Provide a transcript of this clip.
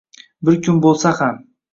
Bir kun bo'lsa ham